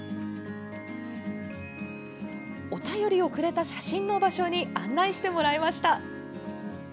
お便りをくれた写真の場所に案内してもらいました。